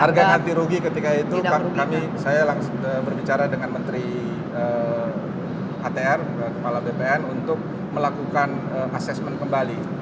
harga ganti rugi ketika itu kami saya langsung berbicara dengan menteri atr kepala bpn untuk melakukan assessment kembali